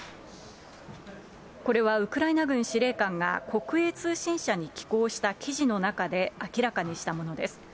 これはウクライナ軍司令官が国営通信社に寄稿した記事の中で明らかにしたものです。